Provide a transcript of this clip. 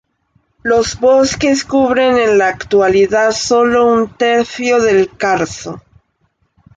Los bosques cubren en la actualidad sólo un tercio del Carso.